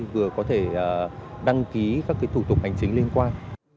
vừa có thể đăng ký các thủ tục hành chính liên quan